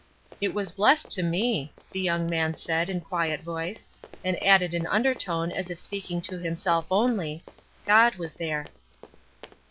"It was blessed to me," the young man said, in quiet voice; and added in undertone, as if speaking to himself only: "God was there."